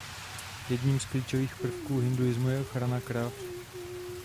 Jedním z klíčových prvků hinduismu je ochrana krav.